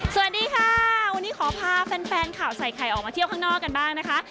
สวัสดีค่ะวันนี้ขอพาแฟนข่าวใส่ไข่ออกมาเที่ยวข้างนอกกันบ้างนะคะ